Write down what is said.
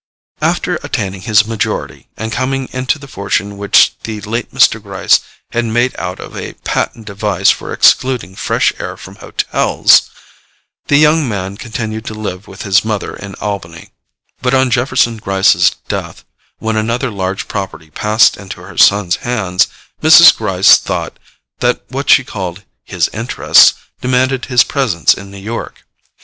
After attaining his majority, and coming into the fortune which the late Mr. Gryce had made out of a patent device for excluding fresh air from hotels, the young man continued to live with his mother in Albany; but on Jefferson Gryce's death, when another large property passed into her son's hands, Mrs. Gryce thought that what she called his "interests" demanded his presence in New York.